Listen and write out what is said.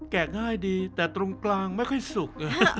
ง่ายดีแต่ตรงกลางไม่ค่อยสุก